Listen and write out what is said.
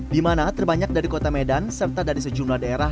dimana terbanyak dari kota medan serta dari sejumlah daerah